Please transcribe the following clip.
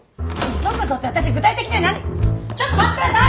「急ぐぞ」って私具体的には何をちょっと待ってください！